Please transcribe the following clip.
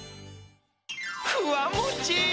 ふわもち！